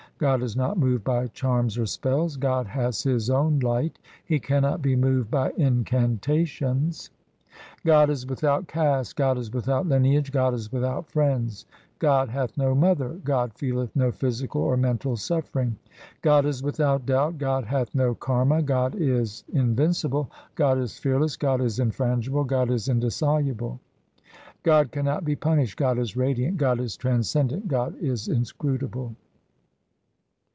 1 God is not moved by charms or spells ; God has His own light, He cannot be moved by incanta tions. God is without caste, God is without lineage, God is without friends, God hath no mother, God feeleth no physical or mental suffering. God is without doubt, God hath no karma, God is invincible, God is fearless, God is infrangible, God is indissoluble. God cannot be punished, God is radiant, God is transcendent, God is inscrutable.